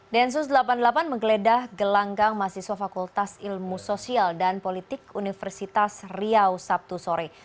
densus delapan puluh delapan menggeledah gelanggang mahasiswa fakultas ilmu sosial dan politik universitas riau sabtu sore